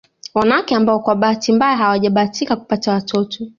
Wanawake ambao kwa bahati mbaya hawajabahatika kupata watoto